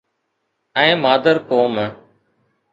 ۽ مادر قوم.